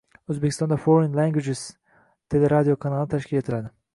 O‘zbekistonda Foreign Languages teleradiokanali tashkil etiladi